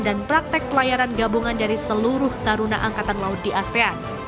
dan praktek pelayaran gabungan dari seluruh taruna angkatan laut di asean